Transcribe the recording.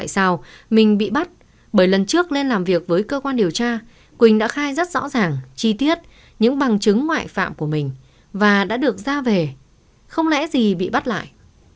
tại bắt bởi lần trước lên làm việc với cơ quan điều tra quỳnh đã khai rất rõ ràng chi tiết những bằng chứng ngoại phạm của mình và đã được ra về không lẽ gì bị bắt lại